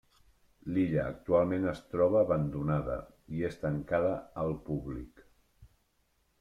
L'illa actualment es troba abandonada, i és tancada al públic.